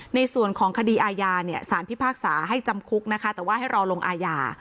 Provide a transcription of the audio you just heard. ในส่วนของคดีอาญาเนี่ยสารพิพากษาให้จำคุกนะคะแต่ว่าให้รอลงอาญา